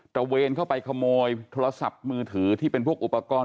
ระเวนเข้าไปขโมยโทรศัพท์มือถือที่เป็นพวกอุปกรณ์